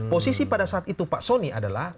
posisi pada saat itu pak soni adalah